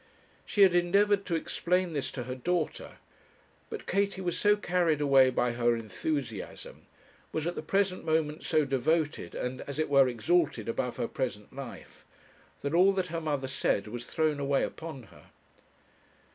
She had endeavoured to explain this to her daughter; but Katie was so carried away by her enthusiasm, was at the present moment so devoted, and, as it were, exalted above her present life, that all that her mother said was thrown away upon her.